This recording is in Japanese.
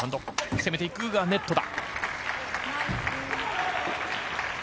攻めていくがネットだ。